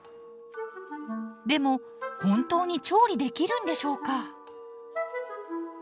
でも本当に調理できるんでしょうか？